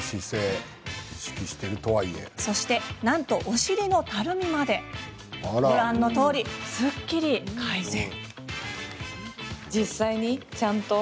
そして、なんとお尻のたるみまでご覧のとおり、すっきり改善。